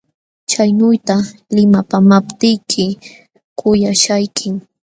Chaynuyta limapaamaptiyki kuyaśhaykim.